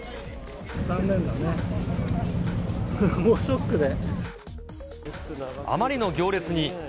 残念だね、もうショックで。